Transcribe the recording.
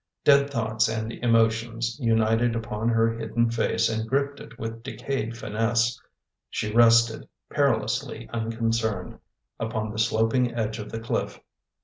Dead thoughts and emotions united upon her hidden face and gripped it with decayed finesse. She rested, peril ously unconcerned, upon the sloping edge of the cliff.